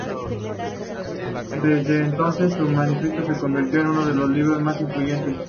Desde entonces, su manifiesto se convirtió en uno de los libros más influyentes.